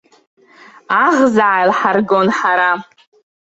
Аӷзаа аилҳаргон ҳара.